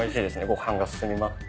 ご飯が進みます。